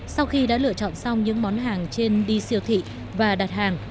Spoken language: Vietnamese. sau khi đã lựa chọn xong những món hàng trên đi siêu thị và đặt hàng